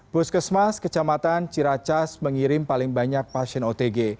puskesmas kecamatan ciracas mengirim paling banyak pasien otg